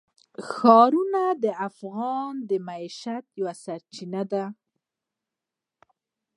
ښارونه د افغانانو د معیشت یوه سرچینه ده.